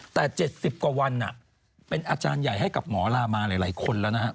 แต่๗๐กว่าวันเป็นอาจารย์ใหญ่ให้กับหมอลามาหลายคนแล้วนะครับ